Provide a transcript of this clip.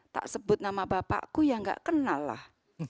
tak sebut nama bapakku yang gak kenal lah